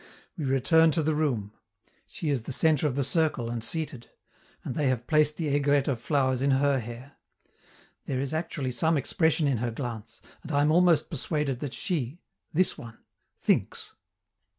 We return to the room; she is the centre of the circle and seated; and they have placed the aigrette of flowers in her hair. There is actually some expression in her glance, and I am almost persuaded that she this one thinks.